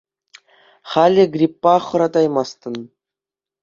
Халӗ гриппа хӑратаймастӑн.